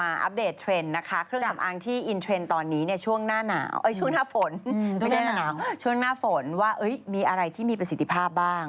อัปเดตเทรนด์นะคะเครื่องสำอางที่อินเทรนด์ตอนนี้เนี่ยช่วงหน้าหนาวช่วงหน้าฝนช่วงหน้าหนาวช่วงหน้าฝนว่ามีอะไรที่มีประสิทธิภาพบ้าง